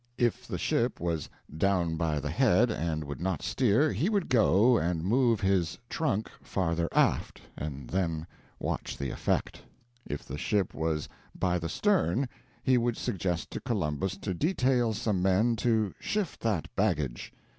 If the ship was "down by the head," and would not steer, he would go and move his "trunk" farther aft, and then watch the effect. If the ship was "by the stern," he would suggest to Columbus to detail some men to "shift that baggage."